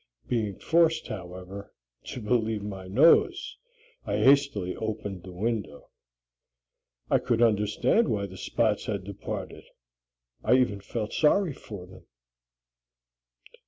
Being forced, however, to believe my nose, I hastily opened the window. I could understand why the spots had departed. I even felt sorry for them.